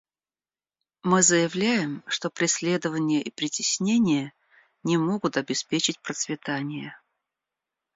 Мы заявляем, что преследование и притеснение не могут обеспечить процветание.